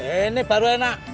ini baru enak